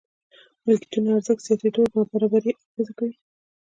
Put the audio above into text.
ملکيتونو ارزښت زياتېدو نابرابري اغېزه کوي.